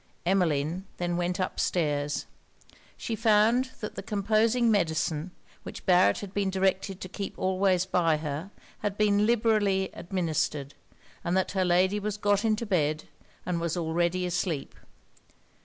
Emmeline then went up stairs. She found that the composing medicine, which Barret had been directed to keep always by her, had been liberally administered; and that her lady was got into bed, and was already asleep.